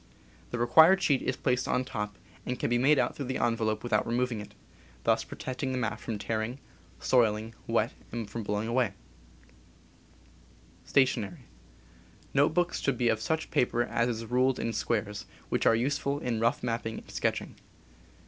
The required sheet is placed on top, and can be made out through the envelope without removing it, thus protecting the map from tearing, soiling, wet, and from blowing away. Note books should be of such paper as is ruled in squares, which are useful in rough mapping and sketch „. ing.